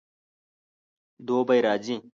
دوبی راځي